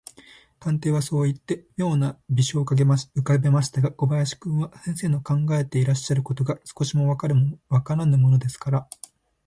探偵はそういって、みょうな微笑をうかべましたが、小林君には、先生の考えていらっしゃることが、少しもわからぬものですから、